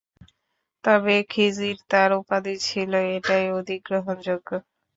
তবে খিযির তাঁর উপাধি ছিল- এটাই অধিক গ্রহণযোগ্য।